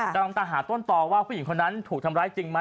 กำลังตามหาต้นต่อว่าผู้หญิงคนนั้นถูกทำร้ายจริงไหม